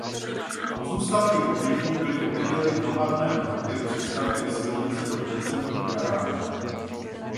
Pozůstatky obětí byly objeveny v hromadném hrobě při stavbě silnice do podzemních garáží.